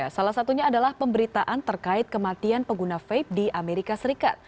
salah satunya adalah pemberitaan terkait kematian pengguna vape di amerika serikat